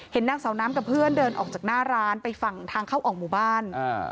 นางสาวน้ำกับเพื่อนเดินออกจากหน้าร้านไปฝั่งทางเข้าออกหมู่บ้าน